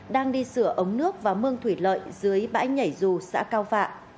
đang đi sửa ống nước và mương thủy lợi dưới bãi nhảy dù xã cao phạ